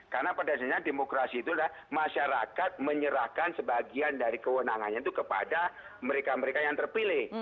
karena pada dasarnya demokrasi itu adalah masyarakat menyerahkan sebagian dari kewenangannya itu kepada mereka mereka yang terpilih